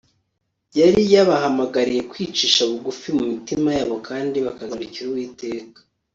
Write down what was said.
yari yabahamagariye kwicisha bugufi mu mitima yabo kandi bakagarukira Uwiteka